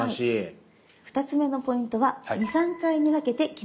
２つ目のポイントは２３回に分けて切ることです。